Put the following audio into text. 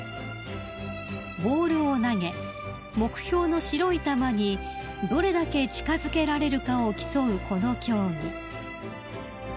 ［ボールを投げ目標の白い球にどれだけ近づけられるかを競うこの競技］